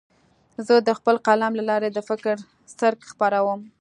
زه د خپل قلم له لارې د فکر څرک خپروم.